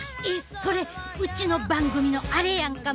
それ、うちの番組のあれやんか！